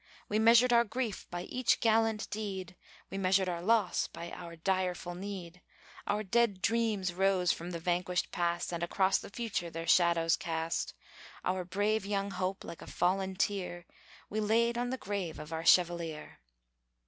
We measured our grief by each gallant deed; We measured our loss by our direful need; Our dead dreams rose from the vanquished past, And across the future their shadows cast. Our brave young hope, like a fallen tear, We laid on the grave of our Chevalier.